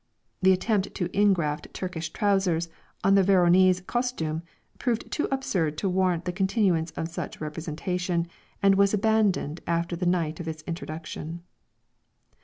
The attempt to ingraft turkish trowsers on the Veronese costume, proved too absurd to warrant the continuance of such a representation, and was abandoned after the night of its introduction.